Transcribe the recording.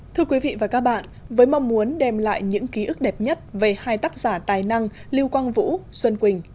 thưa quý vị và các bạn với mong muốn đem lại những ký ức đẹp nhất về hai tác giả tài năng lưu quang vũ xuân quỳnh